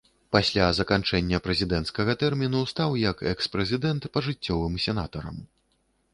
Пасля заканчэння прэзідэнцкага тэрміну стаў як экс-прэзідэнт пажыццёвым сенатарам.